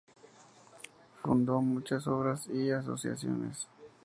Fundó muchas obras y asociaciones.